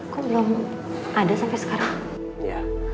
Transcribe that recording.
kok belum ada sampai sekarang